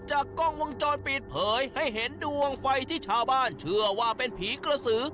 กล้องวงจรปิดเผยให้เห็นดวงไฟที่ชาวบ้านเชื่อว่าเป็นผีกระสือ